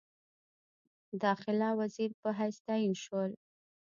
داخله وزیر په حیث تعین شول.